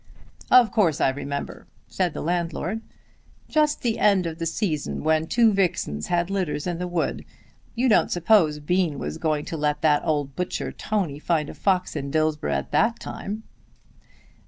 "Of course I remember," said the landlord. "Just the end of the season, when two vixens had litters in the wood! You don't suppose Bean was going to let that old butcher, Tony, find a fox in Dillsborough at that time."